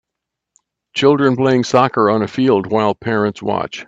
Children playing soccer on a field while parents watch.